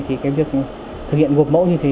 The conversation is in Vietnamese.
thì cái việc thực hiện gộp mẫu như thế